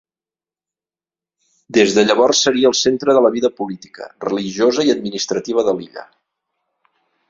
Des de llavors seria el centre de la vida política, religiosa i administrativa de l'illa.